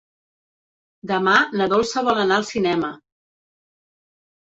Demà na Dolça vol anar al cinema.